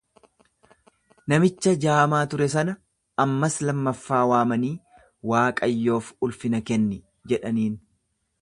Namicha jaamaa ture sana ammas lammaffaa waamanii, Waaqayyoof ulfina kenni jedhaniin.